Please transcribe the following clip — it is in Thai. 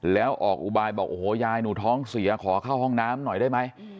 แล้วออกอุบายบอกโอ้โหยายหนูท้องเสียขอเข้าห้องน้ำหน่อยได้ไหม